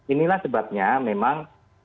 inilah sebabnya memang